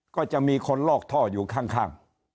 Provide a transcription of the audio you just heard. ก็จะมีคนลอกท่ออยู่ข้าง